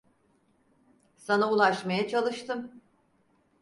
Sana ulaşmaya çalıştım.